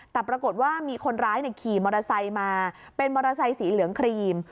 แต่ปรากฏว่ามีคนร้ายขี่มอเตอร์ไซค์มาเป็นมอเตอร์ไซสีเหลืองครีม